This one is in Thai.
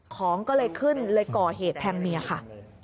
ของก็เลยขึ้นเลยก่อเหตุแทงเมียค่ะ